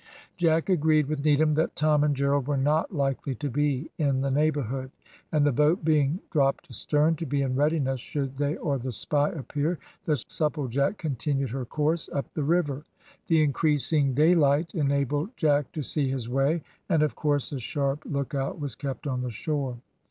Jack agreed with Needham that Tom and Gerald were not likely to be in the neighbourhood, and the boat being dropped astern, to be in readiness should they or the spy appear, the Supplejack continued her course up the river. The increasing daylight enabled Jack to see his way, and of course a sharp lookout was kept on the shore.